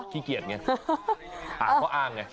ขี้เกียจไงอ่าเขาอ้างไง